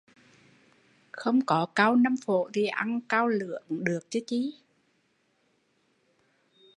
Không có cau Nam Phổ thì ăn cau lửa cũng được